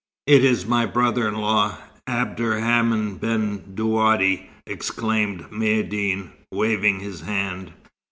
"It is my brother in law, Abderrhaman ben Douadi," exclaimed Maïeddine, waving his hand.